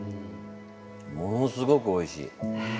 ものすごくおいしい。